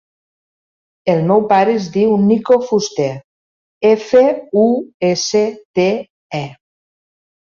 El meu pare es diu Niko Fuste: efa, u, essa, te, e.